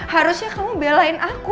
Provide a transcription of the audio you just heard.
harusnya kamu belain aku